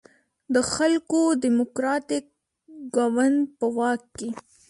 د خلکو دیموکراتیک ګوند په واک کې.